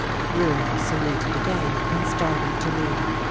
Bruno saluted again and started to leave.